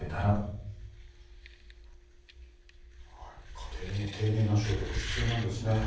家庭でも丁寧な消毒必要なんですね。